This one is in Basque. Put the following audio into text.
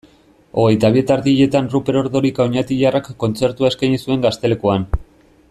Hogeita bi eta erdietan Ruper Ordorika oñatiarrak kontzertua eskaini zuen Gaztelekuan.